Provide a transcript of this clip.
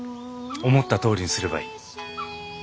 思ったとおりにすればいい。